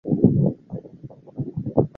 有人认为这跟金星绕日的周期。